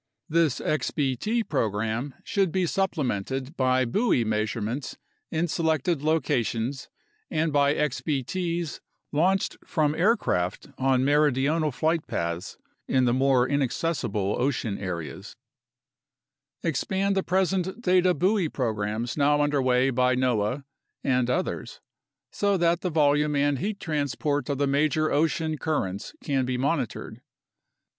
This xbt program should be supplemented by buoy measurements in selected locations A NATIONAL CLIMATIC RESEARCH PROGRAM 75 and by xbt's launched from aircraft on meridional flight paths in the more inaccessible ocean areas. Expand the present data buoy programs now under way by noaa and others, so that the volume and heat transport of the major ocean cur rents can be monitored.